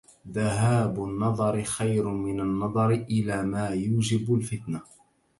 ذهاب النظر خير من النظر إلى ما يوجب الفتنة.